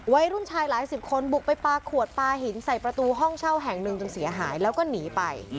วัยรุ่นชายหลายสิบคนบุกไปปลาขวดปลาหินใส่ประตูห้องเช่าแห่งหนึ่งจนเสียหายแล้วก็หนีไป